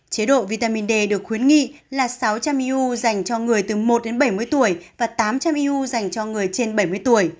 chế độ vitamin d được khuyến nghị là sáu trăm linh eu dành cho người từ một đến bảy mươi tuổi và tám trăm linh eu dành cho người trên bảy mươi tuổi